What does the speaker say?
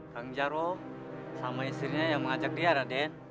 kang jarod sama istrinya yang mengajak dia raden